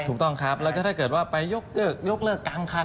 ถูกต้องครับแล้วก็ถ้าเกิดว่าไปยกเลิกกลางคัน